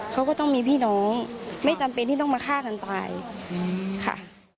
เขาก็ต้องมีพี่น้องไม่จำเป็นที่ต้องมาฆ่ากันตายค่ะ